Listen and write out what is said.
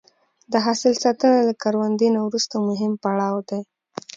د حاصل ساتنه له کروندې نه وروسته مهم پړاو دی.